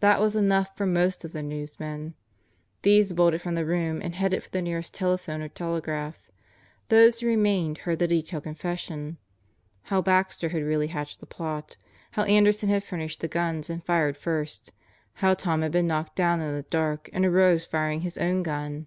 That was enough for most of the newsmen. These bolted from the room and headed for the nearest telephone or telegraph. Those who remained heard the detailed confession: how Baxter had really hatched the plot; how Anderson had furnished the guns and fired first; how Tom had been knocked down in the dark and arose firing his own gun.